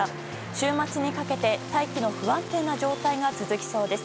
週末にかけて大気の不安定な状態が続きそうです。